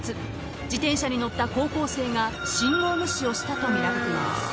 ［自転車に乗った高校生が信号無視をしたとみられています］